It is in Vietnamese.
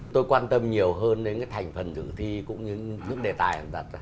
tôi quan tâm nhiều hơn đến thành phần dự thi cũng như những đề tài